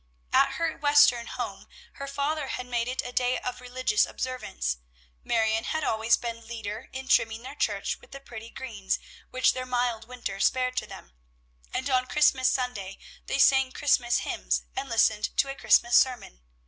At her Western home, her father had made it a day of religious observance. Marion had always been leader in trimming their church with the pretty greens which their mild winter spared to them, and on Christmas Sunday they sang Christmas hymns, and listened to a Christmas sermon.